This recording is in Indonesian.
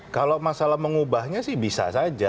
kalau masalah mengubahnya sih bisa saja